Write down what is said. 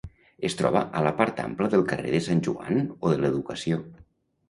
Es troba a la part ampla del carrer de Sant Joan o de l'Educació.